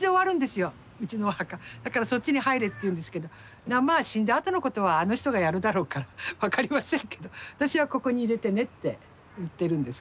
だからそっちに入れと言うんですけどまあ死んだあとのことはあの人がやるだろうから分かりませんけど私はここに入れてねって言ってるんですけどね。